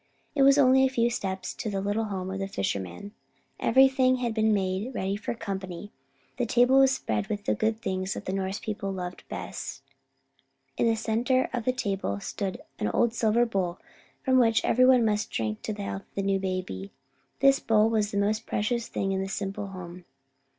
It was only a few steps to the little home of the fisherman. Everything had been made ready for the company. The table was spread with the good things that the Norse people love best. In the centre of the table stood the old silver bowl from which every one must drink to the health of the new baby. This bowl was the most precious thing in the simple home.